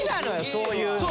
そういうのがね。